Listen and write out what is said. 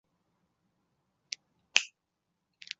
公安无人伤亡。